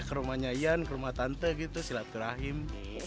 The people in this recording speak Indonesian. ke rumahnya ian ke rumah tante gitu silaturahim